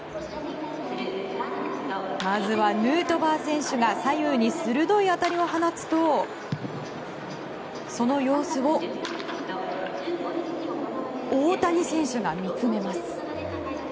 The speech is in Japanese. まずはヌートバー選手が左右に鋭い当たりを放つとその様子を大谷選手が見つめます。